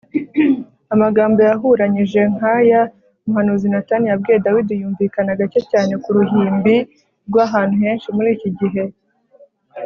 Amagambo yahuranyije nkaya umuhanuzi Natani yabwiye Dawidi yumvikana gake cyane ku ruhimbi rwahantu henshi muri iki gihe